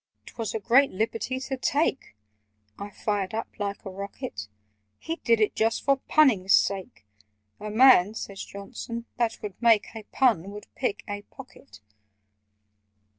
"'Twas a great liberty to take!" (I fired up like a rocket). "He did it just for punning's sake: 'The man,' says Johnson, 'that would make A pun, would pick a pocket!